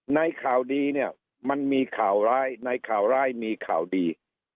ในข่าวดีเนี่ยมันมีข่าวร้ายในข่าวร้ายมีข่าวดี